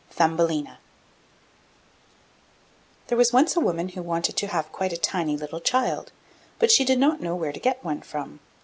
THUMBELINA There was once a woman who wanted to have quite a tiny, little child, but she did not know where to get one from.